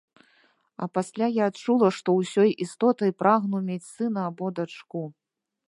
А пасля я адчула, што ўсёй істотай прагну мець сына або дачку.